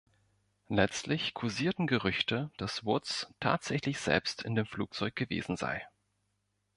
Letztlich kursierten Gerüchte, dass Woods tatsächlich selbst in dem Flugzeug gewesen sei.